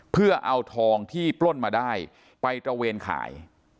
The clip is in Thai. เพื่อเอาทองที่ปล้นมาได้ไปตระเวนขาย